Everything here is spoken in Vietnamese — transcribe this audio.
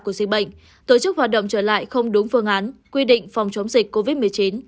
của dịch bệnh tổ chức hoạt động trở lại không đúng phương án quy định phòng chống dịch covid một mươi chín